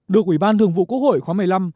được ủy ban thường vụ quốc hội khóa một mươi năm